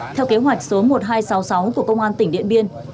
theo kế hoạch số một nghìn hai trăm sáu mươi sáu của công an tỉnh điện biên